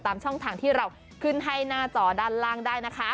ช่องทางที่เราขึ้นให้หน้าจอด้านล่างได้นะคะ